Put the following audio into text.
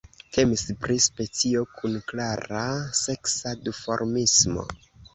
Temis pri specio kun klara seksa duformismo.